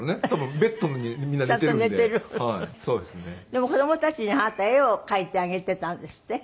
でも子供たちにあなた絵を描いてあげてたんですって？